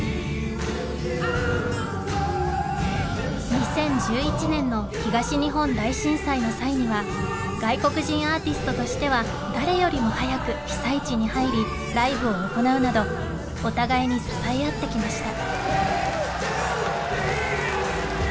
２０１１年の東日本大震災の際には外国人アーティストとしては誰よりも早く被災地に入りライブを行うなどお互いに支え合ってきました